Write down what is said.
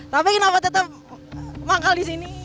tapi kenapa tetap manggal di sini